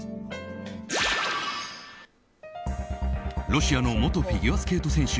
ロシアの元フィギュアスケート選手